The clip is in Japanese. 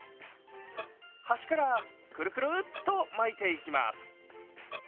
端からクルクルッと巻いていきます。